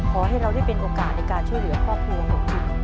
ขอให้เราได้เป็นโอกาสในการช่วยเหลือครอบครัวของคุณ